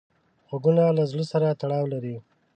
غوږونه له زړه سره تړاو لري